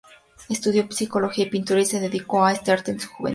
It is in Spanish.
Estudió psicología, pintura y se dedicó a este arte en su juventud.